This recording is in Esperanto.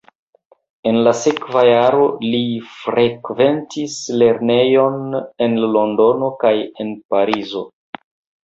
En la sekva jaro li frekventis lernejon en Londono kaj en Parizo.